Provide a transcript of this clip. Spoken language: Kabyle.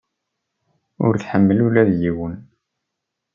Ur tḥemmel ula d yiwen.